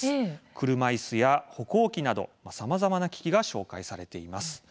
車いすや歩行器などさまざまな機器が紹介されています。